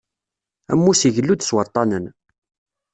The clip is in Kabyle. Ammus igellu-d s waṭṭanen.